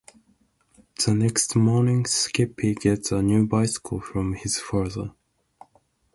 The next morning, Skippy gets a new bicycle from his father.